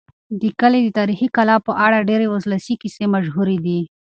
د کلي د تاریخي کلا په اړه ډېرې ولسي کیسې مشهورې دي.